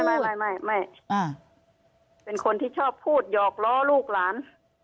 ไม่ไม่เป็นคนที่ชอบพูดหยอกล้อลูกหลาน